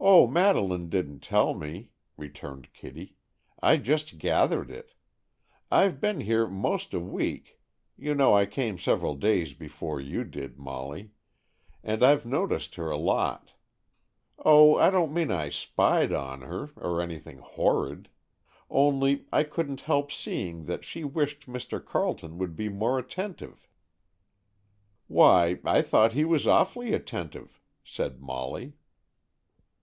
"Oh, Madeleine didn't tell me," returned Kitty. "I just gathered it. I've been here 'most a week—you know I came several days before you did, Molly—and I've noticed her a lot. Oh, I don't mean I spied on her, or anything horrid. Only, I couldn't help seeing that she wished Mr. Carleton would be more attentive." "Why, I thought he was awfully attentive," said Molly.